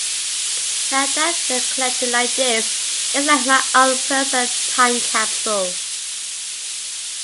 Now that they're collected like this, it's like my own personal time capsule.